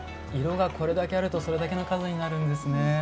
色がこれだけあるとそれだけの数になるんですね。